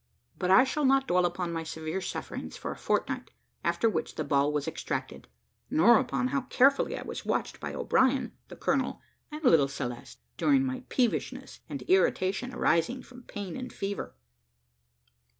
But I shall not dwell upon my severe sufferings for a fortnight, after which the ball was extracted; nor upon how carefully I was watched by O'Brien, the colonel, and little Celeste, during my peevishness and irritation arising from pain and fever.